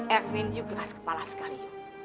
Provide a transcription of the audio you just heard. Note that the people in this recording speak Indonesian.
erwin kamu keras kepala sekali